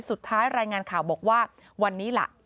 รายงานข่าวบอกว่าวันนี้ล่ะ